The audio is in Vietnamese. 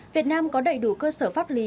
việt nam có đầy đủ cơ sở pháp lý